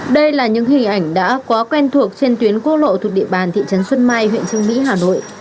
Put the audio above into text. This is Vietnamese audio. đây là những hình ảnh đã có quen thuộc trên tuyến cố lộ thuộc địa bàn thị trấn xuân mai huyện trưng mỹ hà nội